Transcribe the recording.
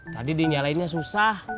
tadi dinyalainnya susah